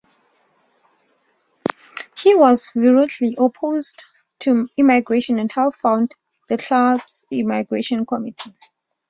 He was virulently opposed to immigration and helped found the club's immigration committee.